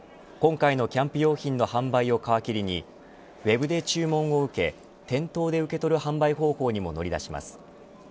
今回のキャンプ用品の販売を皮切りにウエブ注文を受け店頭で受け取る販売方法にも乗り出します。